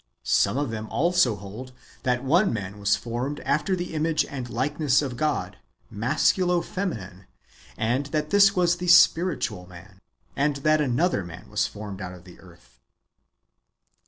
Some of them also hold that one man was formed after the image and likeness of God, masculo feminine, and that this was the spiritual man ; and that another man was formed out of the earth.